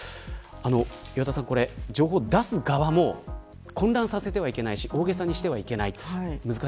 岩田さん、情報を出す側も混乱をさせてはいけないし大げさにしてはいけない。